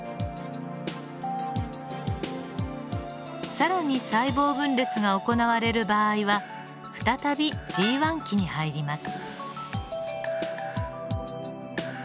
更に細胞分裂が行われる場合は再びＧ期に入ります。